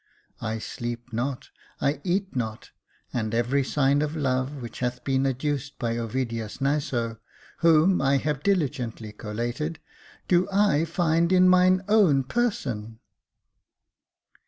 I sleep not — I eat not, — and every sign of love which hath been adduced by Ovidius Naso, whom I have diligently collated, do I find in mine own person.